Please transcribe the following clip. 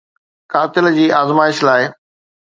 قاتل جي آزمائش لاء